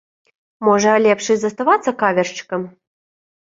Можа, лепш і заставацца кавершчыкам?